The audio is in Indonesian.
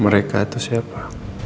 mereka itu siapa